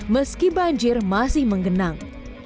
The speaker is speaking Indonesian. meski banjir masih menggenang